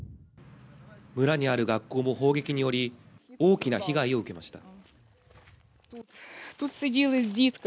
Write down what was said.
村にある学校も砲撃により大きな被害を受けました。